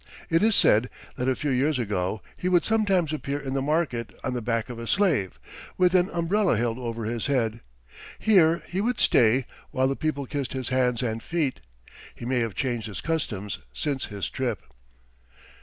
It is said that a few years ago he would sometimes appear in the market on the back of a slave, with an umbrella held over his head. Here he would stay while the people kissed his hands and feet. He may have changed his customs since his trip.